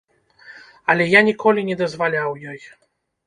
Але я ніколі не дазваляў ёй.